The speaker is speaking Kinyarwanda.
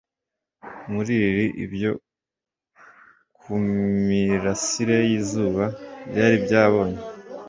muri lili, ibyo kumirasire yizuba byari byabonye